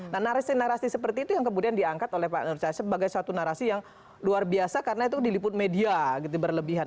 nah narasi narasi seperti itu yang kemudian diangkat oleh pak nur cahaya sebagai satu narasi yang luar biasa karena itu diliput media gitu berlebihan